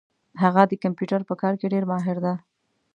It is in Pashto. هغه د کمپیوټر په کار کي ډېر ماهر ده